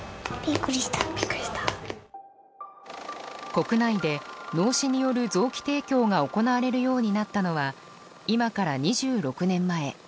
国内で脳死による臓器提供が行われるようになったのは今から２６年前。